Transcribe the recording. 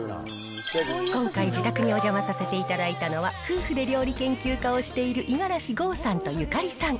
今回自宅にお邪魔させていただいたのは、夫婦で料理研究家をしている五十嵐豪さんとゆかりさん。